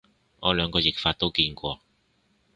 我兩個譯法都見過